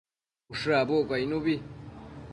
Ushë abucquio icnubi